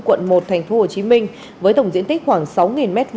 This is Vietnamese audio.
quận một thành phố hồ chí minh với tổng diện tích khoảng sáu m hai